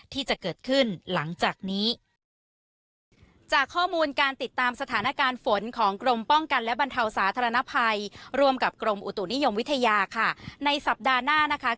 ที่จะเกิดขึ้นหลังจากนี้จากข้อมูลการติดตามสถานการณ์ฝน